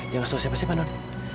jangan sama siapa siapa non